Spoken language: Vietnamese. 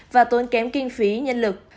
và tốn kém kinh phí nhân lực